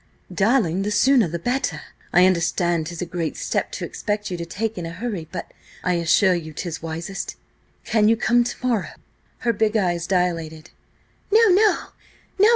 "Darling, the sooner the better. I understand 'tis a great step to expect you to take in a hurry, but I assure you 'tis wisest. Can you come to morrow?" Her big eyes dilated. "No! No!